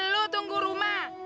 lo tunggu rumah